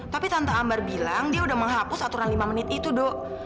tapi tante ambar bilang dia udah menghapus aturan lima menit itu dok